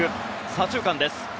左中間です。